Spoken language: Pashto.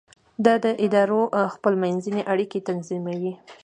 دا د ادارو خپل منځي اړیکې هم تنظیموي.